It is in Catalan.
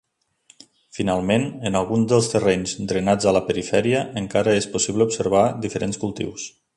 Finalment, en algun dels terrenys drenats de la perifèria, encara és possible observar diferents cultius.